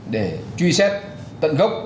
để truy xét tận gốc